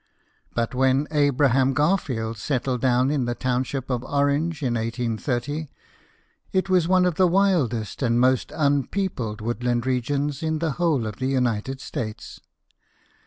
But when Abram Garfield settled down in the township of Orange in 1830, it was one of the wildest and most un peopled woodland regions in the whole of the United States.